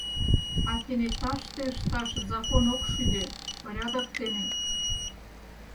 А кенеташте ышташ закон ок шӱдӧ, порядок дене...